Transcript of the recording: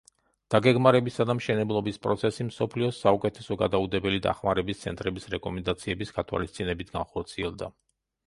დაგეგმარებისა და მშენებლობის პროცესი მსოფლიოს საუკეთესო გადაუდებელი დახმარების ცენტრების რეკომენდაციების გათვალისწინებით განხორციელდა.